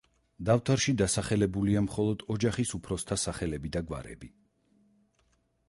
დავთარში დასახელებულია მხოლოდ ოჯახის უფროსთა სახელები და გვარები.